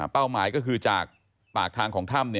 หมายก็คือจากปากทางของถ้ำ